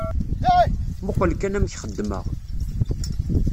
Muqel kan amek xeddmeɣ.